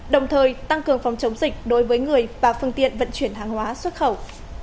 đồng thời tăng cường phòng chống dịch đối với người và phương tiện vận chuyển hàng hóa xuất khẩu